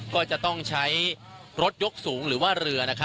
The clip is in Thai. ก็จะต้องใช้รถยกสูงหรือว่าเรือ